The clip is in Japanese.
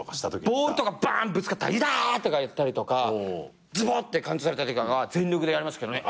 ボールとかバーンぶつかったら痛ー！とか言ったりとかずぼってかん腸されたときとか全力でやりますけどね。